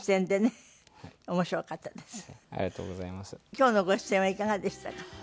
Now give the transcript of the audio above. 今日のご出演はいかがでしたか？